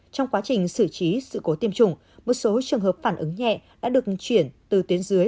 trong quá trình xử trí sự cố tiêm chủng một số trường hợp phản ứng nhẹ đã được chuyển từ tuyến dưới